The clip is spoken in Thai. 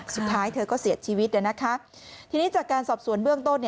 สุดท้ายเธอก็เสียชีวิตแล้วนะคะทีนี้จากการสอบสวนเบื้องต้นเนี่ย